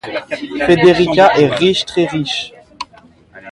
Federica est riche, très riche.